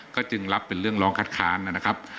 ก็จึงรับเป็นเรื่องร้องคัดค้านนะครับ